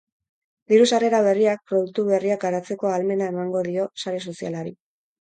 Diru-sarrera berriak produktu berriak garatzeko ahalmena emangon dio sare sozialari.